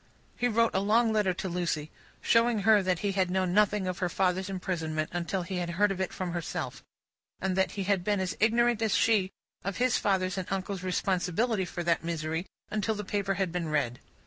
He wrote a long letter to Lucie, showing her that he had known nothing of her father's imprisonment, until he had heard of it from herself, and that he had been as ignorant as she of his father's and uncle's responsibility for that misery, until the paper had been read.